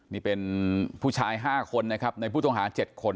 นี่เป็นผู้ชาย๕คนนะครับในผู้ต้องหา๗คน